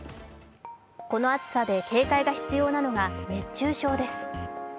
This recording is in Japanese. この暑さで警戒が必要なのが熱中症です。